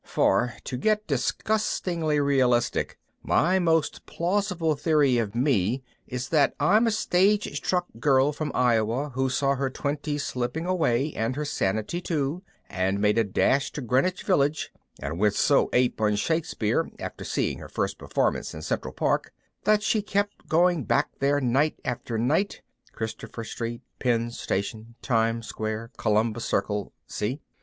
For, to get disgustingly realistic, my most plausible theory of me is that I'm a stage struck girl from Iowa who saw her twenties slipping away and her sanity too, and made the dash to Greenwich Village, and went so ape on Shakespeare after seeing her first performance in Central Park that she kept going back there night after night (Christopher Street, Penn Station, Times Square, Columbus Circle see?)